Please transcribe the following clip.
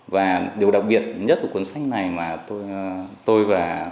và điều đặc biệt nhất của cuốn sách này mà tôi và